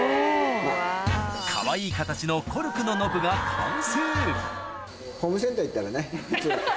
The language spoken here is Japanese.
かわいい形のコルクのノブが完成